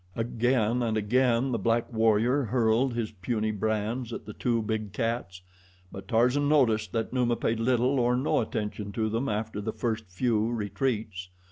Again and again the black warrior hurled his puny brands at the two big cats; but Tarzan noticed that Numa paid little or no attention to them after the first few retreats.